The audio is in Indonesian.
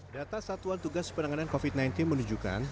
data satuan tugas penanganan covid sembilan belas menunjukkan